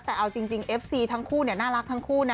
แต่เอาจริงเอฟซีทั้งคู่น่ารักทั้งคู่นะ